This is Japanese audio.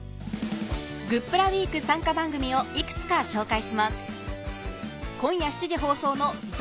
グップラウィーク参加番組をいくつか紹介します